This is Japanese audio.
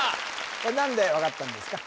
これ何で分かったんですか？